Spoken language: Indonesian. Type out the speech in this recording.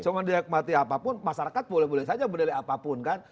cuma dia mati apapun masyarakat boleh boleh saja berdiri apapun kan